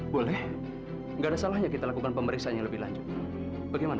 boleh enggak salahnya kita lakukan pemeriksaan lebih lanjut bagaimana